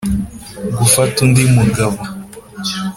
gufata undi mugabo